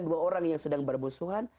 dua orang yang sedang bermusuhan